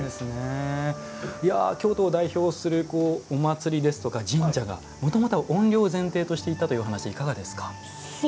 京都を代表するお祭りですとか神社がもともとは怨霊を前提としていたという話いかがですか。